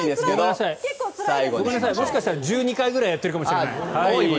ごめんなさい、もしかしたら１２回分ぐらいやってるかも。